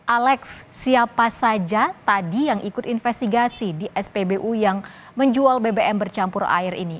alex siapa saja tadi yang ikut investigasi di spbu yang menjual bbm bercampur air ini